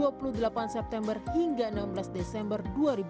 dua puluh delapan september hingga enam belas desember dua ribu dua puluh